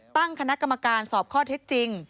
ตั้งคณะกรรมการสอบข้อเท็จจริง